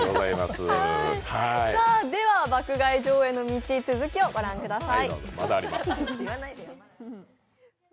「爆買い女王への道」、続きを御覧ください。